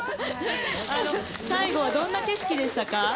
最後はどんな景色でしたか？